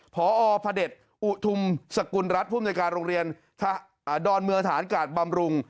พอพระเด็จอุทุมสกุลรัฐภูมิในการโรงเรียนดอนเมืองฐานกาศบำรุง